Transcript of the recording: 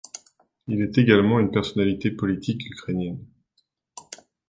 Il est également une personnalité politique ukrainienne.